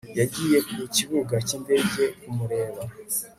yagiye ku kibuga cy'indege kumureba